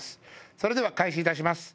それでは開始いたします